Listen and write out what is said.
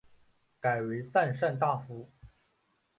改为赞善大夫。